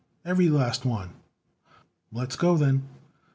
"Every last one." "Let's go, then."